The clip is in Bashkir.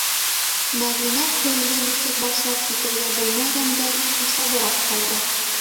- Мәҙинә, һүҙҙе нисек башлап китергә белмәгәндәй, ҡаушабыраҡ ҡалды.